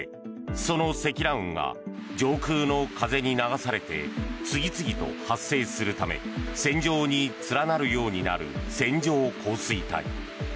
その積乱雲が上空の風に流されて次々と発生するため線状に連なるようになる線状降水帯。